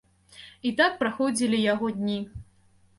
І так праходзілі яго дні.